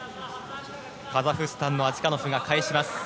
カザフスタンのアジカノフが返します。